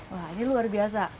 wah ini luar biasa